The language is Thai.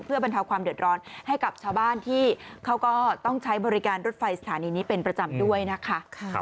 เพื่อบรรเทาความเดือดร้อนให้กับชาวบ้านที่เขาก็ต้องใช้บริการรถไฟสถานีนี้เป็นประจำด้วยนะคะ